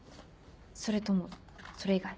それともそれ以外？